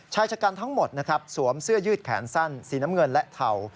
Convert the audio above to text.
ชายชะกันทั้งหมดนะครับสวมเสื้อยืดแขนสั้นสีน้ำเงินและเทา